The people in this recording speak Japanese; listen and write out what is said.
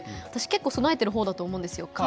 私、結構備えているほうだと思うんですよ。